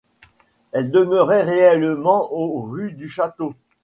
Elle demeurait réellement au rue du Château.